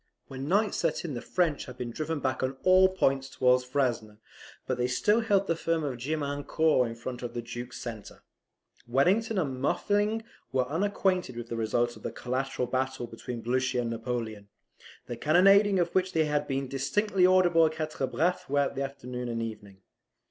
When night set in the French had been driven back on all points towards Frasne; but they still held the farm of Gemiancourt in front of the Duke's centre. Wellington and Muffling were unacquainted with the result of the collateral battle between Blucher and Napoleon, the cannonading of which had been distinctly audible at Quatre Bras throughout the afternoon and evening.